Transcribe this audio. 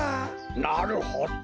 なるほど。